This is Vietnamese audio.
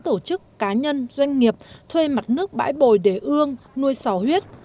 một mươi bốn tổ chức cá nhân doanh nghiệp thuê mặt nước bãi bồi để ương nuôi sò huyết